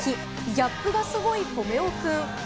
ギャップがすごい、ぽめおくん。